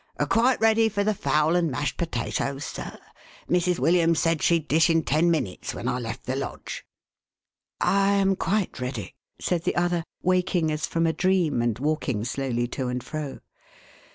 Quite ready for the fowl and mashed potatoes, sir? Mrs. William said she'd dish in ten minutes when I left the Lodge?" "I iiiii quite ready," said the other, waking as from a dream, and walking slowly to and fro.